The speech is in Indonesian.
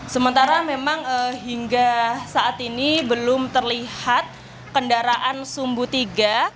sementara memang hingga saat ini belum terlihat kendaraan sumbu tiga